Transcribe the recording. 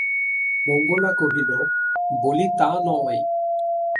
মঙ্গলা কহিল, বলি তা নয়।